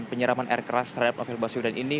penyiraman air keras terhadap novel baswedan ini